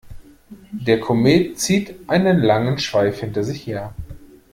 Der Komet zieht einen langen Schweif hinter sich her.